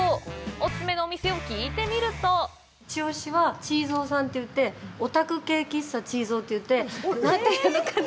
お勧めのお店を聞いてみると一押しは、ちーぞーさんといって、オタク系喫茶ちーぞーっていって、何と言うのかな。